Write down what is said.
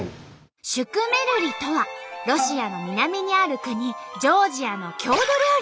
シュクメルリとはロシアの南にある国ジョージアの郷土料理。